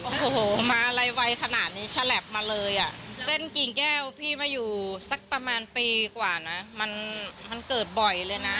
โอ้โหมาอะไรไวขนาดนี้ฉลับมาเลยอ่ะเส้นกิ่งแก้วพี่มาอยู่สักประมาณปีกว่านะมันมันเกิดบ่อยเลยนะ